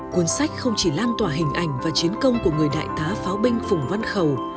cuốn sách không chỉ lan tỏa hình ảnh và chiến công của người đại tá pháo binh phủng văn khẩu